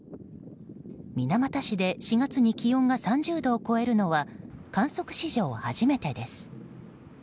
水俣市で４月に気温が３０度を超えるのは観測史上初めてです。